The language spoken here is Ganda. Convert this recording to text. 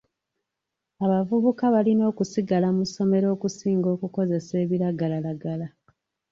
Abavubuka balina okusigala mu ssomero okusinga okukozesa ebiragalalagala.